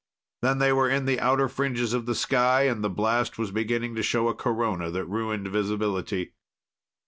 Then they were in the outer fringes of the sky and the blast was beginning to show a corona that ruined visibility.